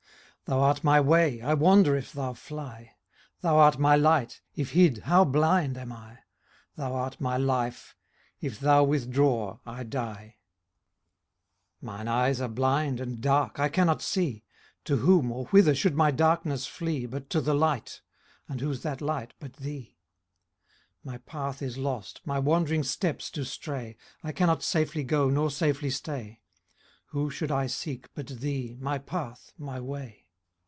Thou art my way ; I wander, if thou fly : Thou art my light ; if hid, how. blind am I ? Thou art my life ; if thou withdraw, I die. i6o Quarks Emblems. Mine eyes are blind and dark, I cannot see ; To whom, or whether should my darkness flee, But to the light? and who's that light but thee? My path is lost, my wandering steps do stray ; I cannot safely go, nor safely stay ; Whom should I seek but thee, my path, my way